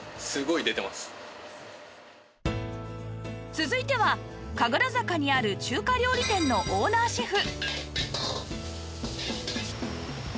続いては神楽坂にある中華料理店のオーナーシェフ